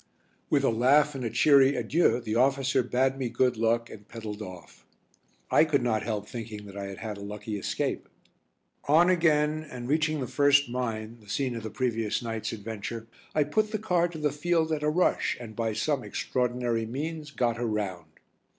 With a laugh and a cheery adieu the officer bade me good luck and pedalled off. I could not help thinking that I had had a lucky escape. On again, and reaching the first mine, the scene of the previous night's adventure, I put the car to the field at a rush and by some extraordinary means got her round.